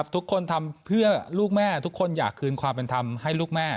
ทุกคนทำเพื่อลูกแม่ทุกคนอยากคืนความเป็นธรรมให้ลูกแม่